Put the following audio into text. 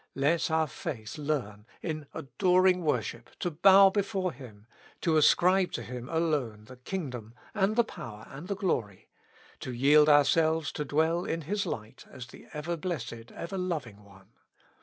Let our faith learn in adoring worship to bow before Him, to ascribe to Him alone the kingdom, and the power, and the glory, to yield ourselves to dwell in His light as the ever blessed, ever loving One.